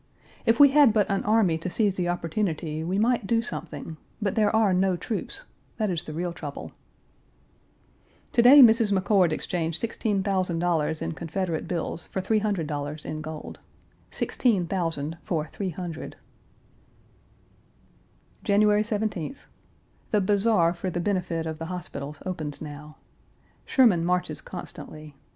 if we had but an army to seize the opportunity we might do something; but there are no troops; that is the real trouble. To day Mrs. McCord exchanged $16,000 in Confederate bills for $300 in gold sixteen thousand for three hundred. January 17th. The Bazaar for the benefit of the hospitals opens now. Sherman marches constantly.